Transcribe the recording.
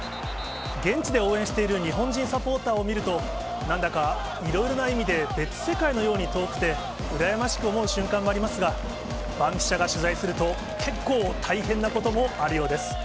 現地で応援している日本人サポーターを見ると、なんだかいろいろな意味で、別世界のように遠くて、羨ましく思う瞬間もありますが、バンキシャが取材すると、結構大変なこともあるようです。